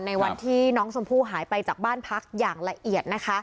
ในวันที่น้องชมพู่หายไปจากบ้านพักอย่างละเอียดนะคะ